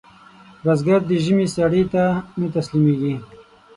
بزګر د ژمي سړې ته نه تسلېږي